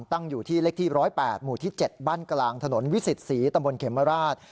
ตั้งอยู่ที่เลขที่๑๐๘หมู่ที่๗บ้านกลางถนนวิสิตศรีตำบลเขมราช